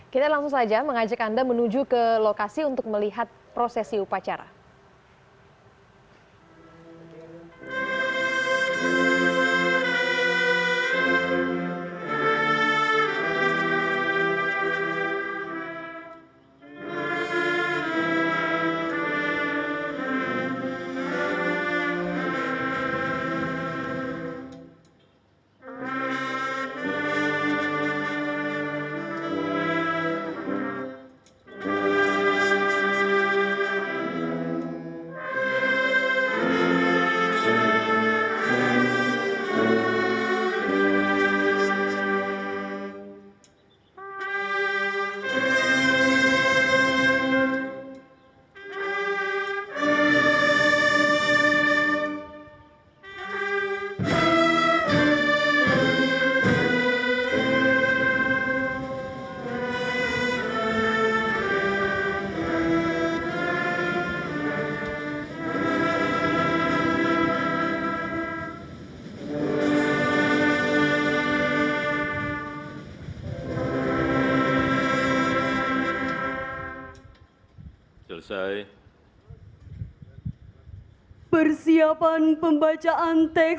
kita langsung saja mengajak anda menuju ke lokasi untuk melihat prosesi upacara